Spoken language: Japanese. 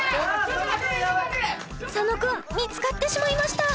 佐野君見つかってしまいました